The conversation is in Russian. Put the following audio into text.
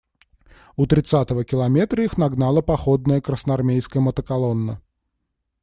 У тридцатого километра их нагнала походная красноармейская мотоколонна.